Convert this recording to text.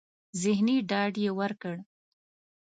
ذهني ډاډ يې ورکړ.